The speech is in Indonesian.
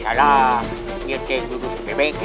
sejak senjata kueu langsung ke deutsche